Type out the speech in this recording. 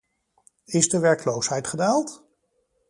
Is de werkloosheid gedaald?